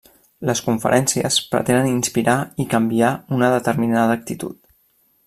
Les conferències pretenen inspirar i canviar una determinada actitud.